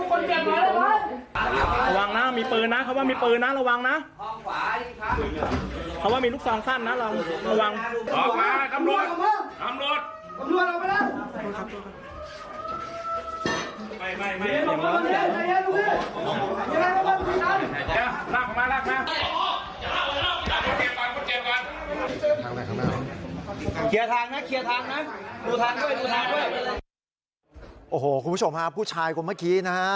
คุณผู้ชมฮะผู้ชายคนเมื่อกี้นะฮะ